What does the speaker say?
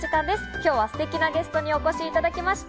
今日はステキなゲストにお越しいただきました。